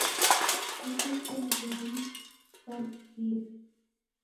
Dibuse ngemi w'adisigha